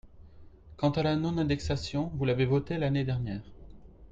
Quant à la non-indexation, vous l’avez votée l’année dernière.